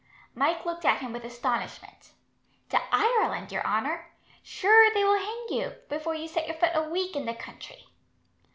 Mike looked at him with astonishment. "To Ireland, your honour? Sure they will hang you, before you set your foot a week in the country."